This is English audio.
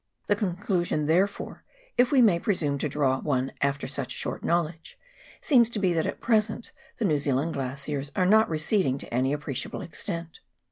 The conclusion, therefore, if we may pre sume to draw one after such short knowledge, seems to be that at present the New Zealand glaciers are not receding to any appreciable extent.